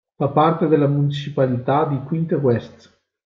Fa parte della municipalità di Quinte West.